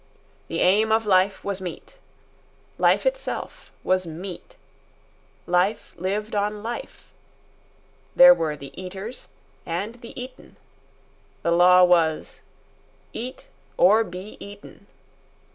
The aim of life was meat. Life itself was meat. Life lived on life. There were the eaters and the eaten. The law was: EAT OR BE EATEN.